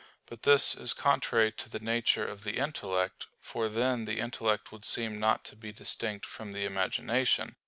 But this is contrary to the nature of the intellect; for then the intellect would seem not to be distinct from the imagination.